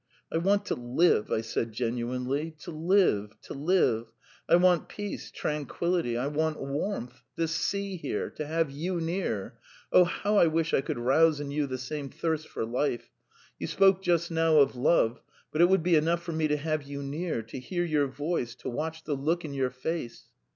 "I want to live!" I said genuinely. "To live, to live! I want peace, tranquillity; I want warmth this sea here to have you near. Oh, how I wish I could rouse in you the same thirst for life! You spoke just now of love, but it would be enough for me to have you near, to hear your voice, to watch the look in your face